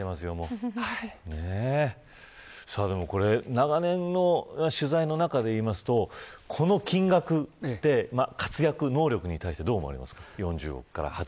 長年の取材の中でいうとこの金額で活躍、能力に対してどう思われますか。